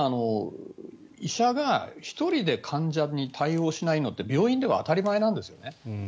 医者が１人で患者に対応しないのって病院では当たり前なんですよね。